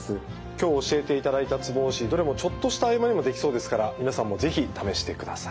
今日教えていただいたツボ押しどれもちょっとした合間にもできそうですから皆さんも是非試してください。